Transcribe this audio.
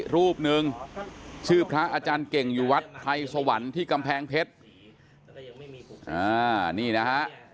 รูปหนึ่งชื่อพระอาจารย์เก่งอยู่วัดไทยสวรรค์ที่กำแพงเพชรอ่านี่นะฮะ